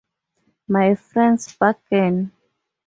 My friend's buggin'.